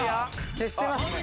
消してますね。